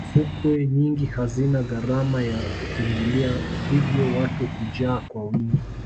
fukwe nyingi hazina gharama ya kuingilia hivyo watu hujaa kwa wingi